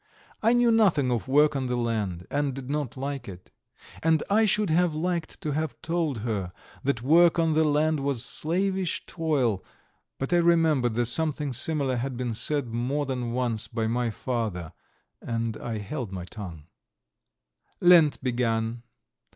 I knew nothing of work on the land, and did not like it, and I should have liked to have told her that work on the land was slavish toil, but I remembered that something similar had been said more than once by my father, and I held my tongue. Lent began.